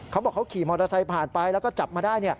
เขาบอกเขาขี่มอเตอร์ไซค์ผ่านไปแล้วก็จับมาได้